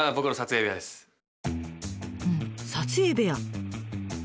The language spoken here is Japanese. うん撮影部屋。